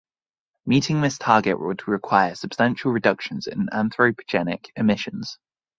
Meeting this target would require substantial reductions in anthropogenic emissions.